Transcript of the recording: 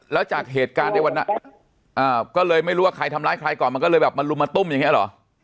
แล้วจากเหตุการณ์ในวันนั้นก็เลยไม่รู้ว่าใครทำร้ายใครก่อนมันก็เลยแบบมาลุมมาตุ้มอย่างนี้เหรอ